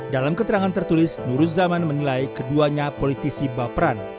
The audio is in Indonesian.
dalam keterangan tertulis nurus zaman menilai keduanya politisi baperan